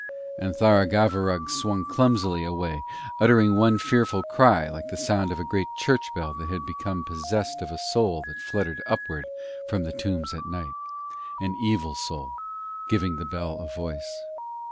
And Tharagavverug swung clumsily away, uttering one fearful cry like the sound of a great church bell that had become possessed of a soul that fluttered upward from the tombs at night an evil soul, giving the bell a voice.